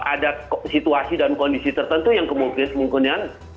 ada situasi dan kondisi tertentu yang kemungkinan